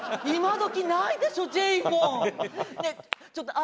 今どきないでしょ？